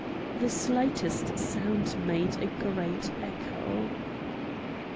The slightest sound made a great echo.